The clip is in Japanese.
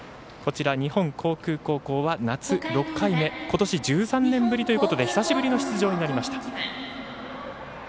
日本航空高校は夏６回目ことし１３年ぶりということで久しぶりの出場になりました。